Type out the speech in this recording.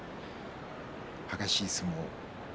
激しい相撲。